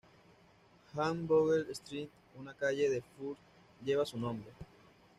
Hans-Vogel-Strasse, una calle en Fürth, lleva su nombre.